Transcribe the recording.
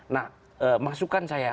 nah masukan saya